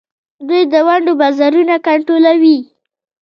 دوی د ونډو بازارونه کنټرولوي.